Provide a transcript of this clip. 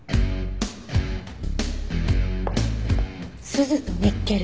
スズとニッケル。